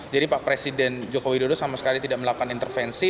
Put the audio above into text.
jadi pak presiden joko widodo sama sekali tidak melakukan intervensi